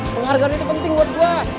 penghargaan itu penting buat gue